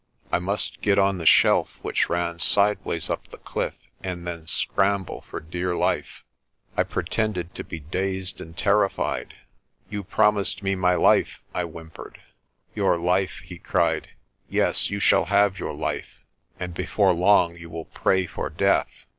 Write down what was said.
I must get on the shelf which ran sideways up the cliff and then scramble for dear life. I pretended to be dazed and terrified. "You promised me my life," I whimpered. "Your life!' he cried. "Yes, you shall have your life; and before long you will pray for death."